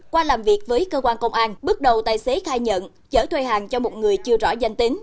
qua làm việc với cơ quan công an bước đầu tài xế khai nhận chở thuê hàng cho một người chưa rõ danh tính